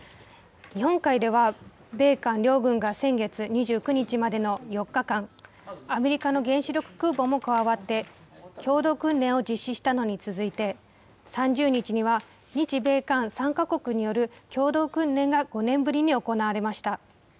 日本海では米韓両軍が先月２９日までの４日間、アメリカの原子力空母も加わって、共同訓練を実施したのに続いて、３０日には日米韓３か国による共同訓練が５年ぶりに行われました。